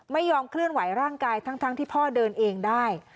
ไม่ยอมเคลื่อนไหวร่างกายทั้งที่พ่อเดินเองได้